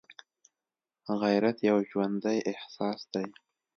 غیرت یو ژوندی احساس دی